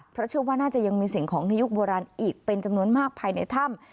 เพราะเชื่อว่าน่าจะยังมีสิ่งของในยุคโบราณอีกเป็นจำนวนมากภายในถ้ำ